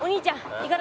いかだ